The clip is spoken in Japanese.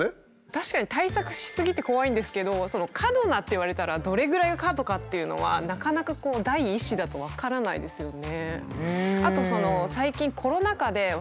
確かに対策し過ぎって怖いんですけど「過度な」って言われたらどれぐらいが過度かっていうのはなかなか第一子だと分からないですよね。